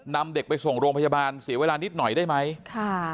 นำเด็กไปส่งโรงพยาบาลเสียเวลานิดหน่อยได้ไหมค่ะ